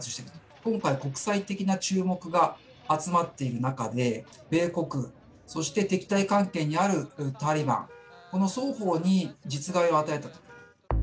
今回、国際的な注目が集まっている中で、米国、そして敵対関係にあるタリバン、この双方に実害を与えたと。